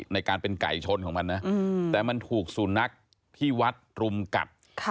ในการเป็นไก่ชนของมันนะแต่มันถูกสุนัขที่วัดรุมกัด